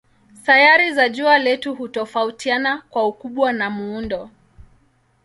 Sayari za jua letu hutofautiana kwa ukubwa na muundo.